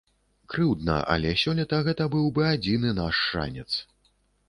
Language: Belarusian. Крыўдна, але сёлета гэта быў бы адзіны наш шанец.